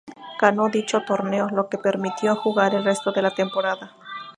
Ganó dicho torneo, lo que le permitió jugar el resto de la temporada.